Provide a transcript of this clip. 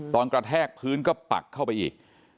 กระแทกพื้นก็ปักเข้าไปอีก